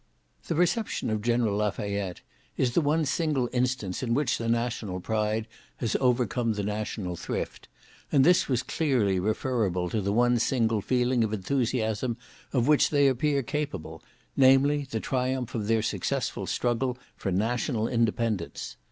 The reception of General Lafayette is the one single instance in which the national pride has overcome the national thrift; and this was clearly referrible to the one single feeling of enthusiasm of which they appear capable, namely, the triumph of their successful struggle for national independence.